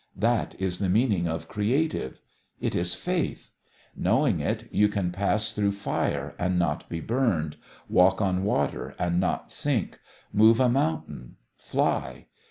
That is the meaning of 'creative.' It is faith. Knowing it, you can pass through fire and not be burned, walk on water and not sink, move a mountain, fly.